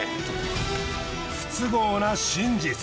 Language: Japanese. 不都合な真実。